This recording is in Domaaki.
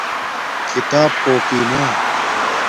کھیتاپ کوکی نا